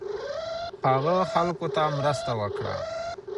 هغه خلکو ته مرسته وکړه